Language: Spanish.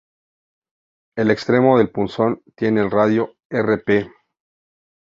El extremo del punzón tiene el radio rp.